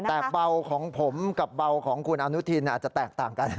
แต่เบาของผมกับเบาของคุณอนุทินอาจจะแตกต่างกัน